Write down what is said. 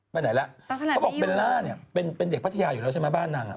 ไปไหนแล้วเขาบอกเบลล่าเนี่ยเป็นเด็กพัทยาอยู่แล้วใช่ไหมบ้านนางอ่ะ